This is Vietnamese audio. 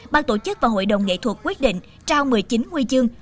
ban tổ chức và hội đồng nghệ thuật quyết định trao một mươi chín huy chương